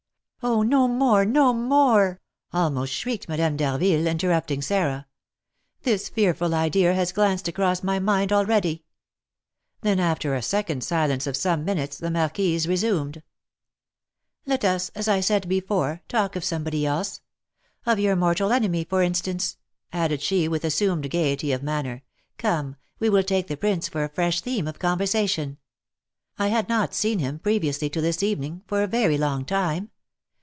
"Oh, no more! no more!" almost shrieked Madame d'Harville, interrupting Sarah; "this fearful idea has glanced across my mind already." Then, after a second silence of some minutes, the marquise resumed, "Let us, as I said before, talk of somebody else, of your mortal enemy, for instance," added she, with assumed gaiety of manner; "come, we will take the prince for a fresh theme of conversation; I had not seen him, previously to this evening, for a very long time.